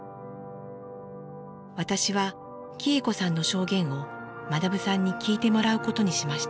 私は喜恵子さんの証言を学さんに聞いてもらうことにしました。